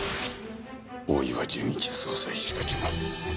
大岩純一捜査一課長。